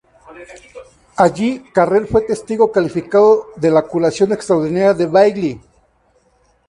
Allí, Carrel fue testigo calificado de la curación extraordinaria de Bailly.